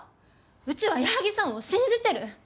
うちは矢作さんを信じてる。